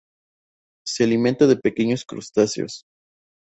Se alimenta de pequeños crustáceos.